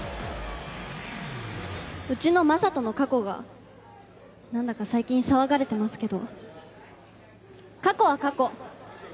うちのＭａｓａｔｏの過去が何だか最近騒がれてますけど過去は過去。